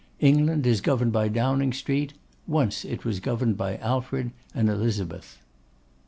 England is governed by Downing Street; once it was governed by Alfred and Elizabeth.